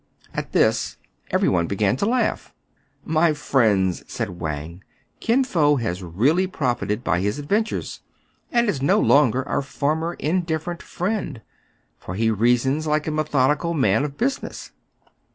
*' At this every one began to laugh. " My friends,'* said Wang, " Kin Fo has really profited by his adventures, and is no longer our former indifferent friend ; for he reasons like a methodical man of business.